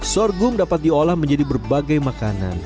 sorghum dapat diolah menjadi berbagai makanan